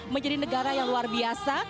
menjadi negara yang luar biasa